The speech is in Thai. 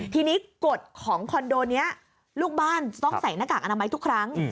ทีนี้กฎของคอนโดนี้ลูกบ้านต้องใส่หน้ากากอนามัยทุกครั้ง